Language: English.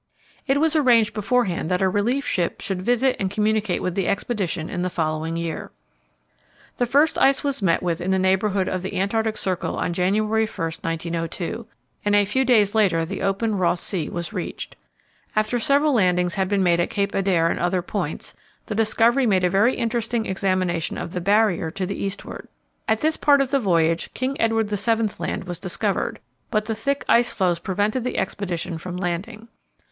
It was arranged beforehand that a relief ship should visit and communicate with the expedition in the following year. The first ice was met with in the neighbourhood of the Antarctic Circle on January 1, 1902, and a few days later the open Ross Sea was reached. After several landings had been made at Cape Adare and other points, the Discovery made a very interesting examination of the Barrier to the eastward. At this part of the voyage King Edward VII. Land was discovered, but the thick ice floes prevented the expedition from landing.